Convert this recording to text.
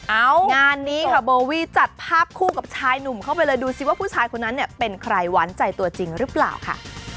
เอางานนี้ค่ะโบวี่จัดภาพคู่กับชายหนุ่มเข้าไปเลยดูสิว่าผู้ชายคนนั้นเนี่ยเป็นใครหวานใจตัวจริงหรือเปล่าค่ะ